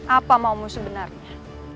apa maumu sebenarnya